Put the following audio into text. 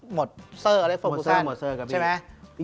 หมดเซอร์อะไรโฟคุซันใช่ไหมอืมหมดเซอร์หมดเซอร์ครับพี่